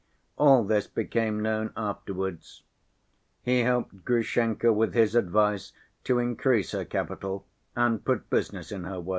All this became known afterwards. He helped Grushenka with his advice to increase her capital and put business in her way.